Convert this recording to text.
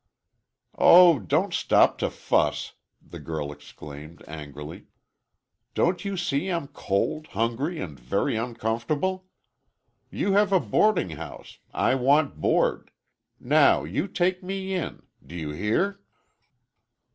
"Oh, don't stop to fuss," the girl exclaimed, angrily. "Don't you see I'm cold, hungry and very uncomfortable? You have a boarding house,—I want board,—now, you take me in. Do you hear?"